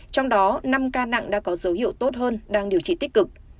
trong đó năm ca nặng đã có dấu hiệu tốt hơn đang điều trị tích cực